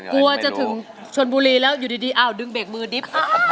กลัวจะถึงชนบุรีแล้วอยู่ดีอ้าวดึงเบรกมือดิบ